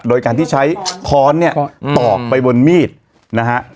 โดยการที่ใช้ค้อนเนี่ยตอกไปบนมีดนะฮะ